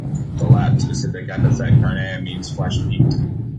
The Latin specific epithet "carnea" means "flesh pink".